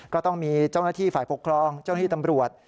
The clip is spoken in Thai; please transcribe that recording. ก็ต้องมีเจ้าหน้าที่ฝ่ายปกครองเจ้าหน้าที่ตำรวจ